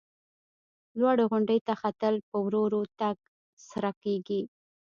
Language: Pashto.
لوړې غونډۍ ته ختل په ورو ورو تګ سره کېږي.